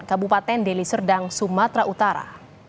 kabupaten deli serdang sumatera utara